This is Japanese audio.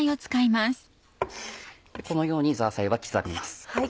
このようにザーサイは刻みます。